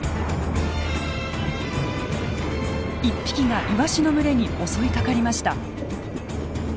１匹がイワシの群れに襲いかかりました。